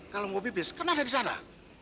kalau mau bebes kenapa ada di sana